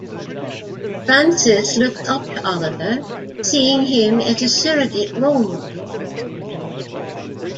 Francis looks up to Olivier, seeing him as a surrogate role-model.